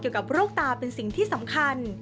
เกี่ยวกับโรคตาเป็นสิ่งที่สำคัญ